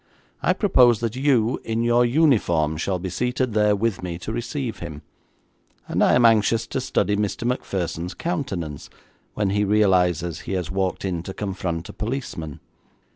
I propose that you, in your uniform, shall be seated there with me to receive him, and I am anxious to study Mr. Macpherson's countenance when he realises he has walked in to confront a policeman.